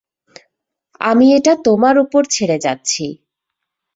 আমি এটা তোমার উপর ছেড়ে যাচ্ছি।